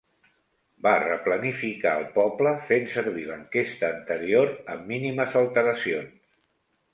Va replanificar el poble fent servir l'enquesta anterior amb mínimes alteracions.